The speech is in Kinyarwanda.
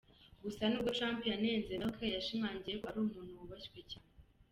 Gusa nubwo Trump yanenze Merkel, yashimangiye ko ari umuntu wubashywe cyane.